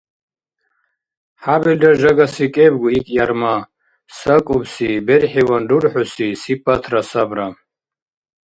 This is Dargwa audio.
ХӀябилра жагасира кӀебгу икӀ ярма: сакӀубси, берхӀиван рурхӀуси сипатра сабра.